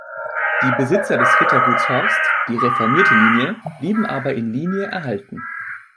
Die Besitzer des Ritterguts Horst, die reformierte Linie, blieben aber in Linie erhalten.